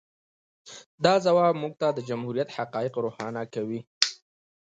د ځواب موږ ته د جمهوریت حقایق روښانه کوي.